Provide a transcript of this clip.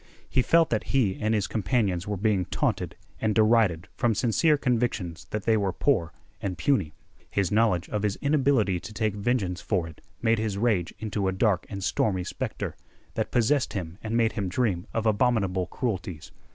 He felt that he and his companions were being taunted and derided from sincere convictions that they were poor and puny. His knowledge of his inability to take vengeance for it made his rage into a dark and stormy specter, that possessed him and made him dream of abominable cruelties.